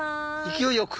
勢いよく。